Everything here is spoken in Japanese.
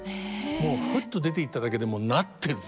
もうふっと出ていっただけでもうなってる。